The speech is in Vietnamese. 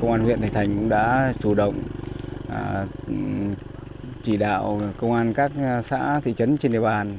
công an huyện thạch thành cũng đã chủ động chỉ đạo công an các xã thị trấn trên địa bàn